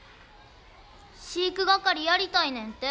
飼育係やりたいねんて。